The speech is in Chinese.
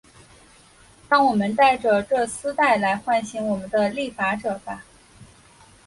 让我们戴着这丝带来唤醒我们的立法者吧。